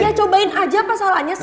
ya cobain aja apa salahnya sih